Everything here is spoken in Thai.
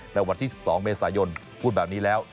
ในวันที่๑๒เมษายนพูดแบบนี้แล้ว